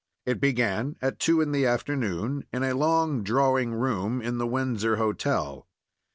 It began at two in the afternoon in a long drawing room in the Windsor Hotel.